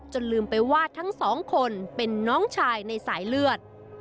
ลืมไปว่าทั้งสองคนเป็นน้องชายในสายเลือด